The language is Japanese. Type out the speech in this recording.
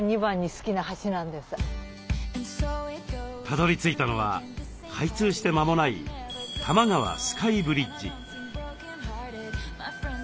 たどりついたのは開通して間もない多摩川スカイブリッジ。